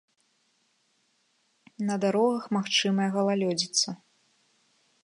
На дарогах магчымая галалёдзіца.